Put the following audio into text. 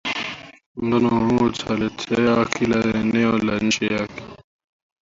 muungano huo utatetea kila eneo la nchi yake